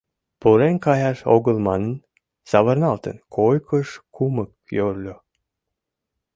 Пурен каяш огыл манын, савырналтын, койкыш кумык йӧрльӧ...